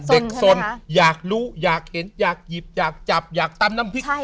สนอยากรู้อยากเห็นอยากหยิบอยากจับอยากตำน้ำพริก